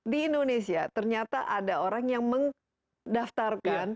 di indonesia ternyata ada orang yang mendaftarkan